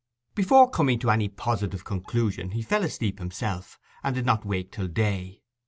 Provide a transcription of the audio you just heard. Before coming to any positive conclusion he fell asleep himself, and did not awake till day.